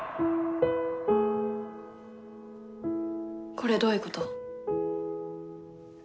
これどういうこと？